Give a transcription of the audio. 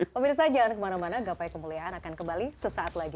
pemirsa jangan kemana mana gapai kemuliaan akan kembali sesaat lagi